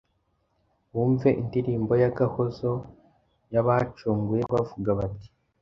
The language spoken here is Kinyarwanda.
wumve indirimbo y’agahozo y’abacunguwe bavuga bati,